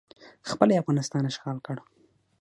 خپله یې افغانستان اشغال کړ